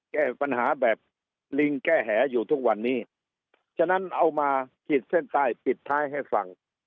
แก้ปัญหาแบบลิงแก้แหอยู่ทุกวันนี้ฉะนั้นเอามาขีดเส้นใต้ปิดท้ายให้ฟัง